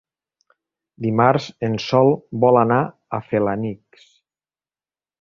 Dimarts en Sol vol anar a Felanitx.